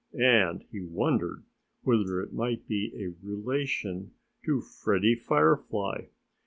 And he wondered whether it might be a relation of Freddie Firefly.